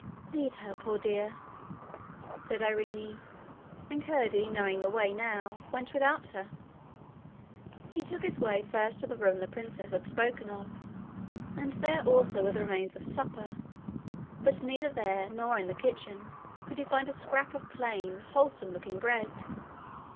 'Leave her, poor dear,' said Irene, and Curdie, knowing the way now, went without her. He took his way first to the room the princess had spoken of, and there also were the remains of supper; but neither there nor in the kitchen could he find a scrap of plain wholesome looking bread.